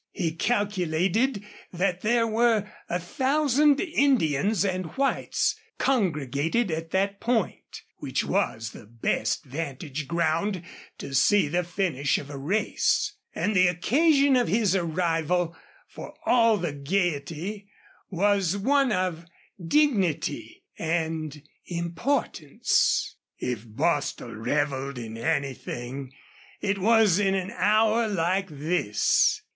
He calculated that there were a thousand Indians and whites congregated at that point, which was the best vantage ground to see the finish of a race. And the occasion of his arrival, for all the gaiety, was one of dignity and importance. If Bostil reveled in anything it was in an hour like this.